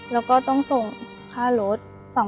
แล้วก็ต้องส่งค่ารถ